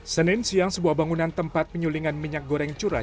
senin siang sebuah bangunan tempat penyulingan minyak goreng curah